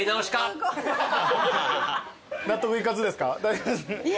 納得いかずですか？